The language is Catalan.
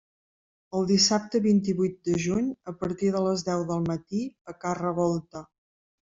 El dissabte vint-i-vuit de juny a partir de les deu del matí a Ca Revolta.